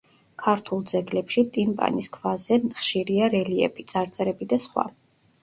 ქართულ ძეგლებში ტიმპანის ქვაზე ხშირია რელიეფი, წარწერები და სხვა.